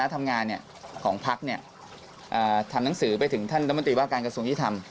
ทำงานของพักทำหนังสือไปถึงท่านรัฐมนตรีว่าการกระทรวงยุทธรรม